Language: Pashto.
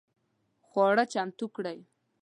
خواړه چمتو کړئ